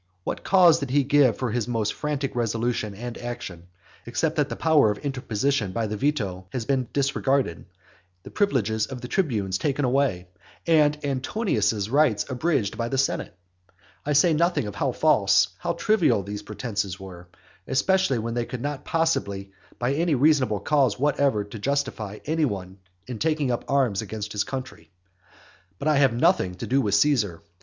what cause did he give for his own most frantic resolution and action, except that the power of interposition by the veto had been disregarded, the privileges of the tribunes taken away, and Antonius's rights abridged by the senate? I say nothing of how false, how trivial these pretences were; especially when there could not possibly be any reasonable cause whatever to justify any one in taking up arms against his country. But I have nothing to do with Caesar.